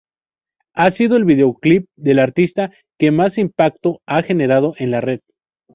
Ha sido el videoclip del artista que más impacto a generado en la red.